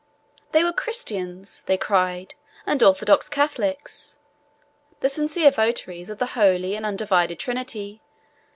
They were Christians, (they cried,) and orthodox Catholics; the sincere votaries of the holy and undivided Trinity.